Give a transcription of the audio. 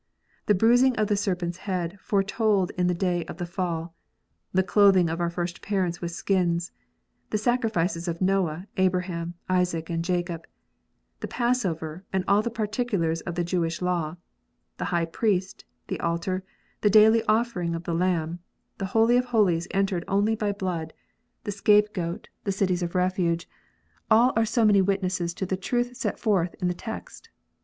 The bruising of the serpent s head foretold in the day of the fall ; the clothing of our first parents with skins ; the sacrifices of Noah, Abraham, Isaac, and Jacob ; the passover, and all the particulars of the Jewish law, the high priest, the altar, the daily offering of the lamb, the holy of holies entered only by blood, the scape goat, 34 KNOTS UNTIED. the cities of refuge ; all are so many witnesses to the truth set forth in the text.